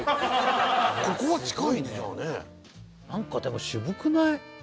ここは近いねじゃあねなんかでも渋くない？